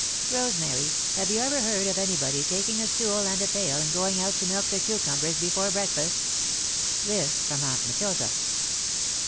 "Rosemary, have you ever heard of anybody taking a stool and a pail and goin' out to milk the cucumbers before breakfast?" This from Aunt Matilda.